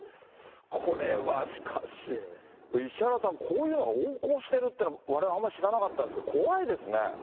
これはしかし、石原さん、こういうのが横行しているというのは、われわれあんまり知らなかったんですが、怖いですね。